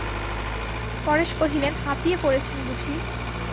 পরেশ কহিলেন, হাঁপিয়ে পড়েছেন বুঝি!